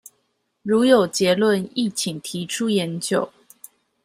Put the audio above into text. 如有結論亦請提出研究